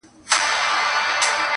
چي ناکس ته یې سپارلې سرداري وي -